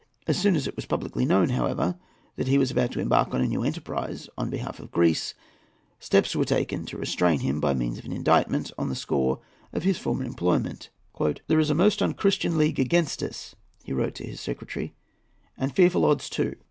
As soon as it was publicly known, however, that he was about to embark in a new enterprise, on behalf of Greece, steps were taken to restrain him by means of an indictment on the score of his former employment. "There is a most unchristian league against us," he wrote to his secretary, "and fearful odds too.